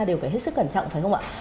đều phải hết sức cẩn trọng phải không ạ